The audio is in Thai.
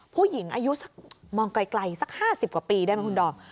ผู้หญิงอายุสักมองไกลสัก๕๐กว่าปีได้ไหมคุณดอม